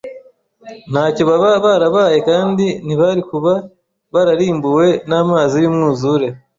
ntacyo baba barabaye kandi ntibari kuba bararimbuwe n’amazi y’umwuzure